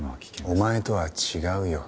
お前とは違うよ。